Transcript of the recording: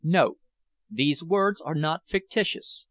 [These words are not fictitious.